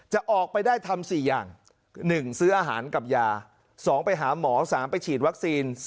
จะออกไปได้ทำ๔อย่าง๑ซื้ออาหารกับยา๒ไปหาหมอ๓ไปฉีดวัคซีน